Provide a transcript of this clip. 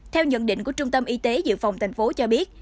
theo nhận định của trung tâm y tế dự phòng tp cho biết